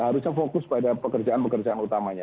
harusnya fokus pada pekerjaan pekerjaan utamanya